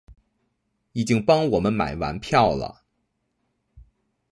已经帮我们买完票了